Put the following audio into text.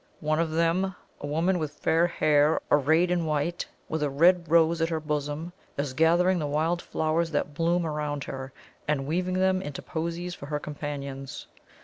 One of them, a woman with fair hair, arrayed in white, with a red rose at her bosom, is gathering the wild flowers that bloom around her, and weaving them into posies for her companions.